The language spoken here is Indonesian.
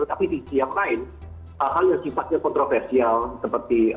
tapi di sisi yang lain hal hal yang sifatnya kontroversial seperti